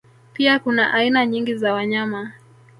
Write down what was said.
Pia kuna aina nyingi za wanyama